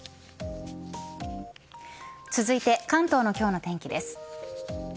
続いて、関東の今日の天気です。